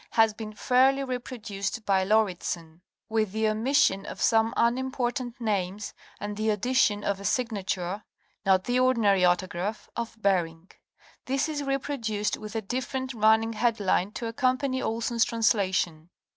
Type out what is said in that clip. has been fairly repro duced by Lauridsen (Chart I) with the omission of some unimportant names and the addition of a signature (not the ordinary autograph) of Bering. This is reproduced with a different running headline to accompany Olson's translation.